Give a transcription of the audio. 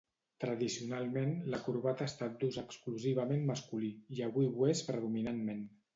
Tradicionalment la corbata ha estat d'ús exclusivament masculí, i avui ho és predominantment.